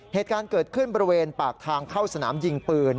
เหตุการณ์เกิดขึ้นบริเวณปากทางเข้าสนามยิงปืน